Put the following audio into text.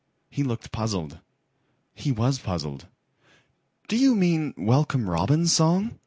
He looked puzzled. He was puzzled. "Do you mean Welcome Robin's song?"